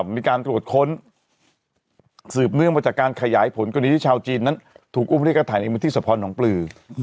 มีการตรวจค้นสืบเนื่องมาจากการขยายผลกรณีที่ชาวจีนนั้นถูกอุ้มให้กระถ่ายในพื้นที่สะพรหนองปลือ